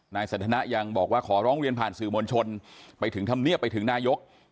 นายสันทนายังบอกว่าขอร้องเรียนผ่านสื่อมวลชนไปถึงธรรมเนียบไปถึงนายก